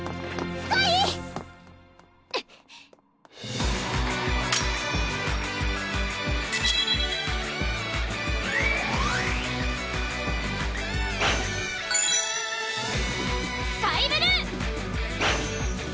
スカイブルー！